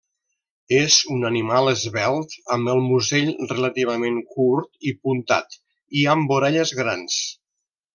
És un animal esvelt amb el musell relativament curt i puntat i amb orelles grans.